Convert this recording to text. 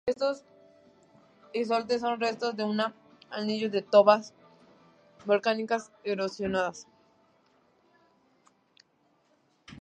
Estos islotes son los restos de una anillo de tobas volcánicas erosionadas.